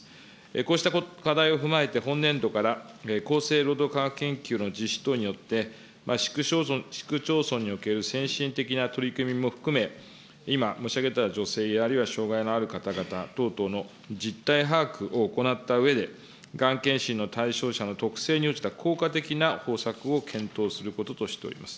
こうした課題を踏まえて、本年度から、厚生労働科学研究の実施等によって、市区町村における先進的な取り組みも含め、今、申し上げた女性、あるいは障害がある方等々の実態把握を行ったうえで、がん検診の対象者の特性に応じた効果的な方策を検討することとしております。